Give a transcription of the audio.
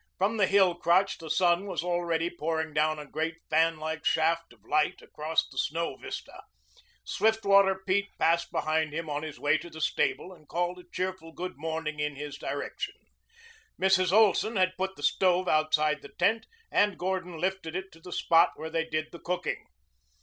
From the hill crotch the sun was already pouring down a great, fanlike shaft of light across the snow vista. Swiftwater Pete passed behind him on his way to the stable and called a cheerful good morning in his direction. Mrs. Olson had put the stove outside the tent and Gordon lifted it to the spot where they did the cooking.